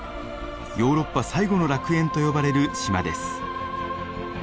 ヨーロッパ最後の楽園と呼ばれる島です。